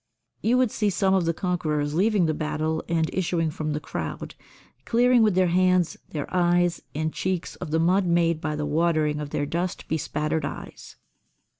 You would see some of the conquerors leaving the battle and issuing from the crowd, clearing with their hands their eyes and cheeks of the mud made by the watering of their dust bespattered eyes.